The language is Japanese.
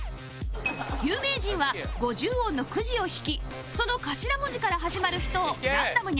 有名人は５０音のくじを引きその頭文字から始まる人をランダムに挙げていきます